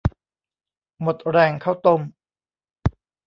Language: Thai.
หมดแรงข้าวต้ม